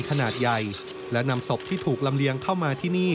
ขนาดใหญ่และนำศพที่ถูกลำเลียงเข้ามาที่นี่